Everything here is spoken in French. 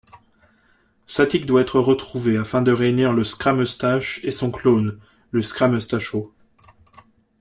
Satic doit être retrouvé afin de réunir le Scrameustache et son clone, le Scrameustacho.